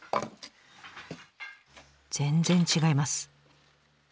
全然違います。